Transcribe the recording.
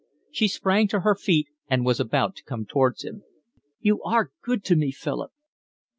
She sprang to her feet and was about to come towards him. "You are good to me, Philip."